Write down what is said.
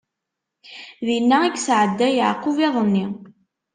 Dinna i yesɛedda Yeɛqub iḍ-nni.